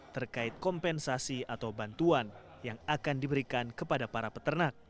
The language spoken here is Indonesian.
terkait kompensasi atau bantuan yang akan diberikan kepada para peternak